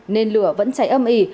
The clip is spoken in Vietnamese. nên lửa vẫn cháy âm ỉ